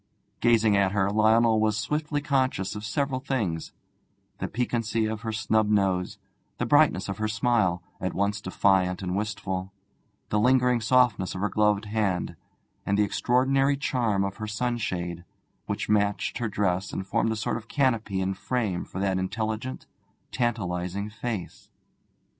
Gazing at her, Lionel was swiftly conscious of several things: the piquancy of her snub nose, the brightness of her smile, at once defiant and wistful, the lingering softness of her gloved hand, and the extraordinary charm of her sunshade, which matched her dress and formed a sort of canopy and frame for that intelligent, tantalizing face.